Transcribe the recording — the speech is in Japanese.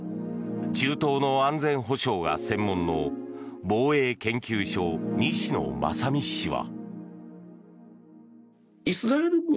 中東の安全保障が専門の防衛研究所、西野正巳氏は。